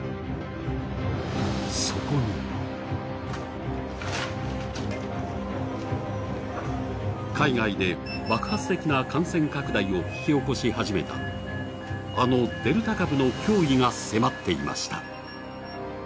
そこに海外で爆発的な感染拡大を引き起こし始めたあのデルタ株の脅威が迫っていました。